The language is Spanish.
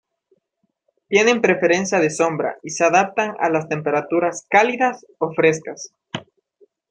Tienen preferencia de sombra y se adaptan a las temperaturas cálidas ó frescas.